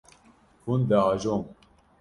Hûn diajon.